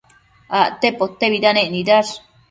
Acte potebidanec nidash